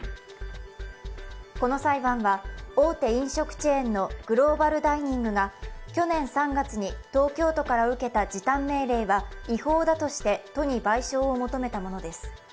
この裁判は大手飲食チェーンのグローバルダイニングが去年３月に東京都から受けた時短命令は違法だとして都に賠償を求めたものです。